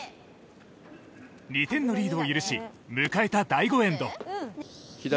２点のリードを許し迎えた第５エンド。